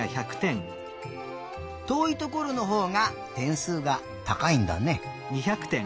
とおいところのほうがてんすうがたかいんだね。